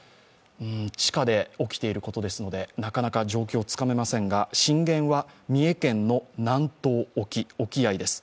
地下で起きていることですので、なかなか状況をつかめませんが、震源は三重県の南東沖、沖合です。